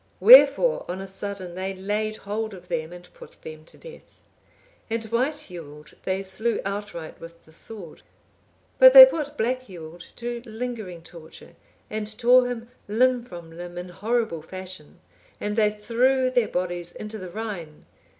Wherefore on a sudden they laid hold of them and put them to death; and White Hewald they slew outright with the sword; but they put Black Hewald to lingering torture and tore him limb from limb in horrible fashion, and they threw their bodies into the Rhine.